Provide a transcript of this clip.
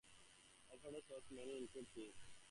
Alfredo sauce may also include cream.